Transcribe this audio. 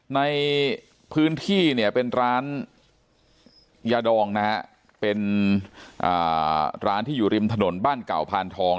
ในพื้นที่เนี่ยเป็นร้านยาดองนะฮะเป็นร้านที่อยู่ริมถนนบ้านเก่าพานทอง